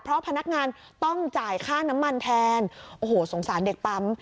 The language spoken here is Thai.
เพราะพนักงานต้องจ่ายค่าน้ำมันแทนโอ้โหสงสารเด็กปั๊ม